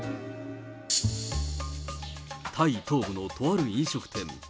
タイ東部のとある飲食店。